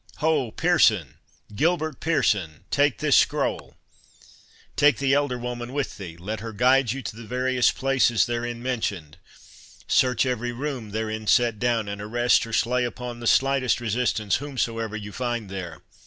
—Ho! Pearson, Gilbert Pearson, take this scroll—Take the elder woman with thee—Let her guide you to the various places therein mentioned—Search every room therein set down, and arrest, or slay upon the slightest resistance, whomsoever you find there.